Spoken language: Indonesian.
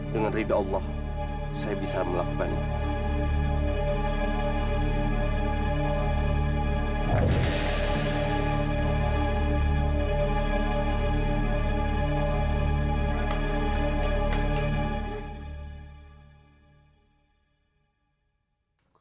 dengan rida allah saya bisa melakukan itu